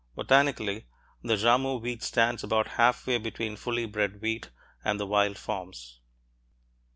Botanically, the Jarmo wheat stands about half way between fully bred wheat and the wild forms.